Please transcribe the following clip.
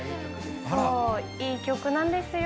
いい曲なんですよ